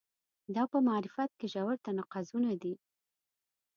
دا په معرفت کې ژور تناقضونه دي.